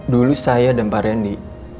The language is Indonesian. dulu saya dan pak randy